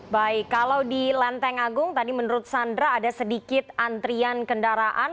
baik kalau di lenteng agung tadi menurut sandra ada sedikit antrian kendaraan